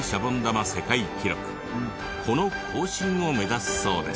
この更新を目指すそうです。